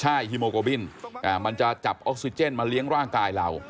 ใช่ฮีโมโกบินมันจะจับออกซิเจนมาเลี้ยงร่างกายเรา